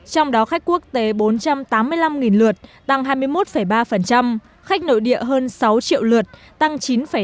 trong đó khách quốc tế bốn trăm tám mươi năm lượt tăng hai mươi một ba khách nội địa hơn sáu triệu lượt tăng chín năm